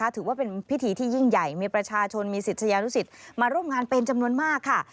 ถือว่าเป็นพิธีที่ยิ่งใหญ่มีประชาชนมีศิษยานุสิตมาร่วมงานเป็นจำนวนมากค่ะ